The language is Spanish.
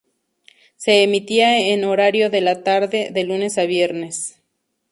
Se emitía en horario de la tarde de lunes a viernes.